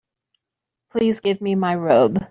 Please give me my robe.